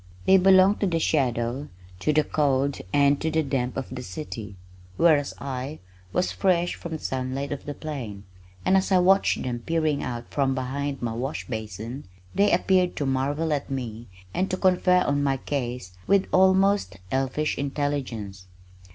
They belonged to the shadow, to the cold and to the damp of the city, whereas I was fresh from the sunlight of the plain, and as I watched them peering out from behind my wash basin, they appeared to marvel at me and to confer on my case with almost elfish intelligence.